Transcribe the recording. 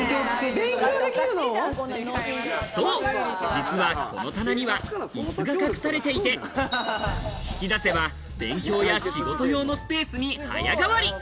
そう、実はこの棚には椅子が隠されていて、引き出せば勉強や仕事用のスペースに早変わり。